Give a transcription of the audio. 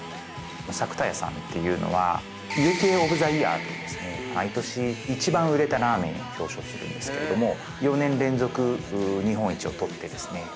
「作田家」さんは家系オブ・ザ・イヤーという毎年一番売れたラーメンを表彰するんですけれども４年連続日本一を取ってですね